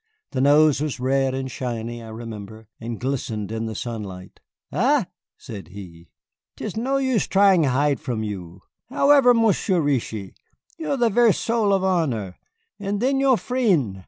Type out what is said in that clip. The nose was red and shiny, I remember, and glistened in the sunlight. "Ah," said he, "'tis no use tryin' hide from you. However, Monsieur Reetchie, you are the ver' soul of honor. And then your frien'!